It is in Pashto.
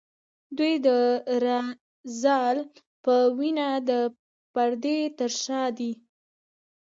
دوی د رالز په وینا د پردې تر شا دي.